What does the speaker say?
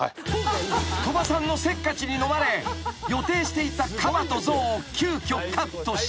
［鳥羽さんのせっかちにのまれ予定していたカバと象を急きょカットし］